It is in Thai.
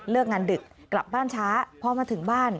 งานดึกกลับบ้านช้าพอมาถึงบ้าน